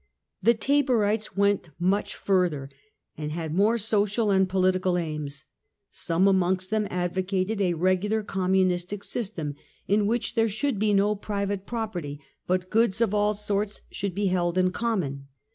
The Taborites went much further and had more social and political aims ; some amongst them advocated a regular communistic system, in which there should be no private property, but goods of all sorts should be held in common.